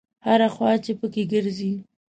هره خوا چې په کې ګرځې.